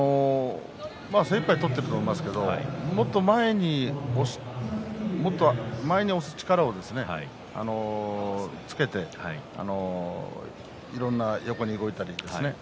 精いっぱい取ってると思いますけれども、もっと前に押す力をつけていろんな横に動いたりですね。